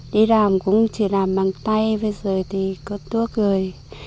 đi làm cũng chỉ làm bằng tay bây giờ thì có thuốc rồi